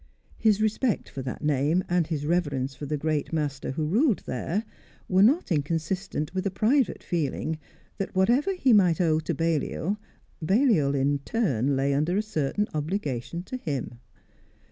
His respect for that name, and his reverence for the great master who ruled there, were not inconsistent with a private feeling that, whatever he might owe to Balliol, Balliol in turn lay under a certain obligation to him.